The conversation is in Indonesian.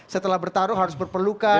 setelah bertaruh harus berpelukan